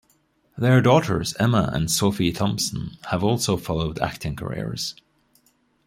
Their daughters Emma and Sophie Thompson have also followed acting careers.